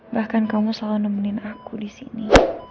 bahkan kamu selalu nemenin aku disini